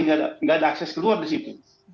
tidak ada akses keluar di situ